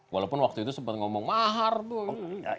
walaupun waktu itu sempat ngomong mahar tuh